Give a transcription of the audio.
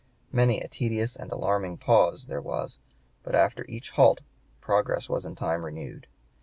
Many a tedious and alarming pause there was, but after each halt progress was in time renewed.